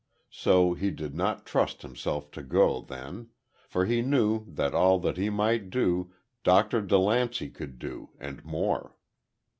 So he did not trust himself to go, then; for he knew that all that he might do, Dr. DeLancey could do, and more.